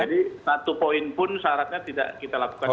jadi satu poin pun syaratnya tidak kita lakukan